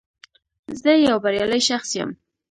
زه یو بریالی شخص یم